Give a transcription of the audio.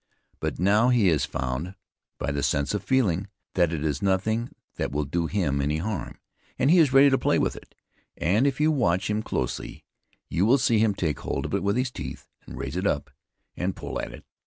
But now he has found, by the sense of feeling, that it is nothing that will do him any harm, and he is ready to play with it. And if you watch him closely, you will see him take hold of it with his teeth, and raise it up and pull at it.